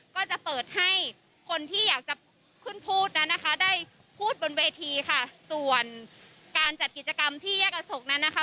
ก็จะเปิดให้คนที่อยากจะขึ้นพูดนั้นนะคะได้พูดบนเวทีค่ะส่วนการจัดกิจกรรมที่แยกอโศกนั้นนะคะ